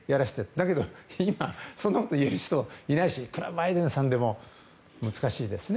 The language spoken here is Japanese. だけど、今そんなことを言える人はいないしいくらバイデンさんでも難しいですね。